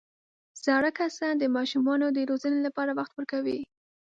زاړه کسان د ماشومانو د روزنې لپاره وخت ورکوي